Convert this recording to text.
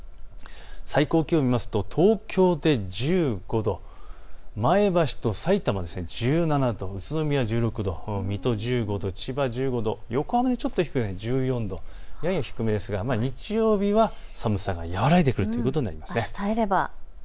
最高気温、見ますと東京で１５度、前橋とさいたま１７度、宇都宮１６度、水戸１５度、千葉１５度、横浜はちょっと低くて１４度、やや低めですが日曜日は寒さが和らいでくるということになります。